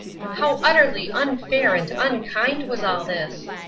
How utterly unfair and unkind was all this